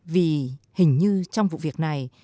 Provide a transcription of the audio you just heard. vì hình như trong vụ việc này